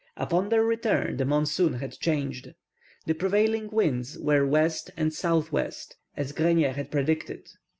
Upon their return the monsoon had changed. The prevailing winds were W. and S.W. as Grenier had predicted.